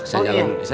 bisa jalan dulu ya